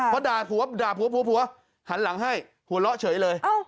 พอด่าผัวด่าผัวหันหลังให้หัวเราะเฉยเลย